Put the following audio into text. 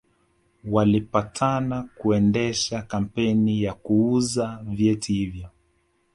Walipatana kuendesha kampeni ya kuuza vyeti hivyo